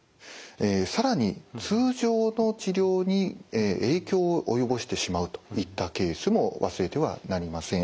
更に通常の治療に影響をおよぼしてしまうといったケースも忘れてはなりません。